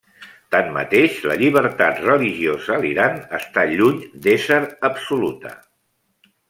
Tanmateix, la llibertat religiosa a l'Iran està lluny d'ésser absoluta.